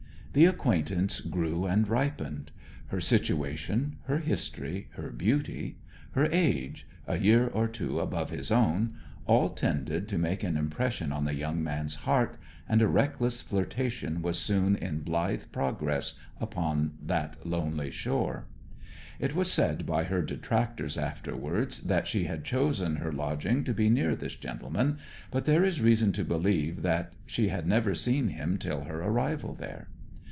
The acquaintance grew and ripened. Her situation, her history, her beauty, her age a year or two above his own all tended to make an impression on the young man's heart, and a reckless flirtation was soon in blithe progress upon that lonely shore. It was said by her detractors afterwards that she had chosen her lodging to be near this gentleman, but there is reason to believe that she had never seen him till her arrival there.